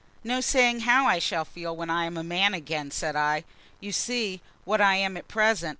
"No saying how I shall feel when I am a man again," said I. "You see what I am at present."